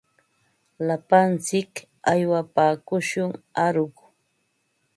Lapantsik aywapaakushun aruq.